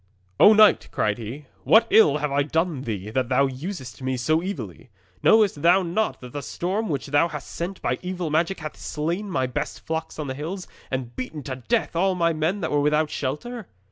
'"O knight," cried he, "what ill have I done to thee, that thou usest me so evilly? Knowest thou not that the storm which thou hast sent by evil magic hath slain my best flocks on the hills, and beaten to death all my men that were without shelter?"